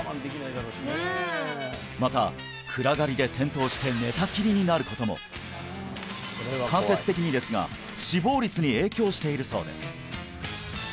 また暗がりで転倒して寝たきりになることも間接的にですが死亡率に影響しているそうです